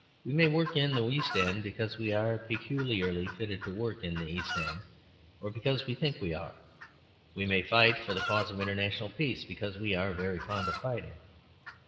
We may work in the East End because we are peculiarly fitted to work in the East End, or because we think we are; we may fight for the cause of international peace because we are very fond of fighting.